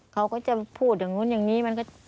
เขาก็จะพูดอย่างนู้นอย่างนี้